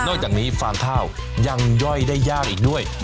จากนี้ฟางข้าวยังย่อยได้ยากอีกด้วย